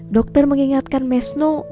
dokter mengingatkan mesno